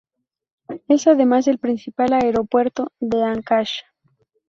Es además el principal aeropuerto de Ancash.